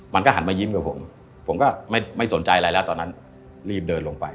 มันก็หันมายิ้มกับผมผมก็ไม่สนใจอะไรแล้วตอนนั้นรีบเดินลงไป